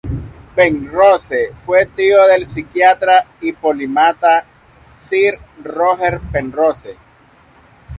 Penrose fue tío del psiquiatra y polímata Sir Roger Penrose.